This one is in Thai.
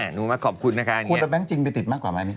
หนูมาขอบคุณนะคะอย่างนี้โอปอล์แล้วแบงก์จริงติดมากกว่าไหม